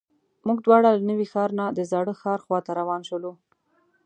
موږ دواړه له نوي ښار نه د زاړه ښار خواته روان شولو.